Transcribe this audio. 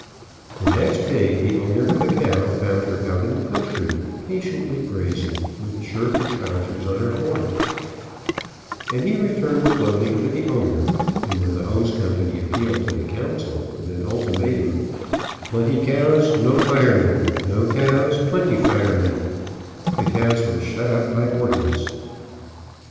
The next day the owner of the cow found her out in the country, patiently grazing, with the shirt and trousers on her horns, and he returned the clothing to the owner, and when the hose company appealed to the council with an ultimatum, "Plenty cows, no firemen; no cows, plenty firemen," the cows were shut up by ordinance.